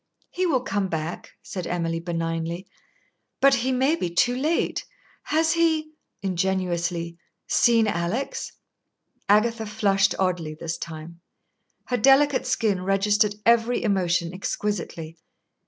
"He will come back," said Emily, benignly; "but he may be too late. Has he" ingenuously "seen Alix?" Agatha flushed oddly this time. Her delicate skin registered every emotion exquisitely.